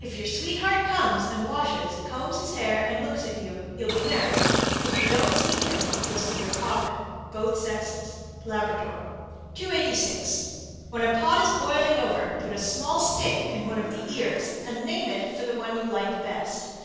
If your sweetheart comes and washes, combs his hair, and looks at you, you'll be married. If you don't see him, you'll see your coffin. (Both sexes.) Labrador. 286. When a pot is boiling over, put a small stick in one of the ears and name it for the one you like best.